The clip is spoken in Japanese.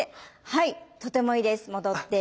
はいとてもいいです戻って。